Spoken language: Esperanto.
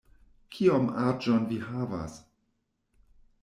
Kiom aĝon vi havas?